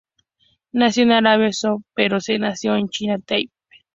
Nació en Arabia Saudita pero se nacionalizó de China Taipei.